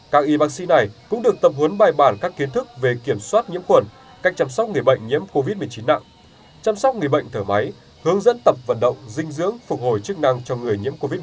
các y bác sĩ này cũng được tập huấn bài bản các kiến thức về kiểm soát nhiễm khuẩn cách chăm sóc người bệnh nhiễm covid một mươi chín nặng chăm sóc người bệnh thở máy hướng dẫn tập vận động dinh dưỡng phục hồi chức năng cho người nhiễm covid một mươi chín